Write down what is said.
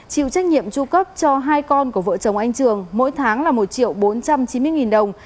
chịu trách nhiệm tru cấp cho hai con của vợ chồng anh trường mỗi tháng là một triệu bốn trăm chín mươi nghìn đồng